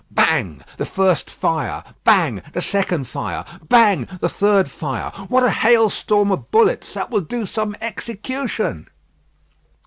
"Bang! the first fire. Bang! the second fire. Bang! the third fire. What a hailstorm of bullets! That will do some execution."